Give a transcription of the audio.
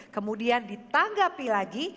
kemudian ditanggapi lagi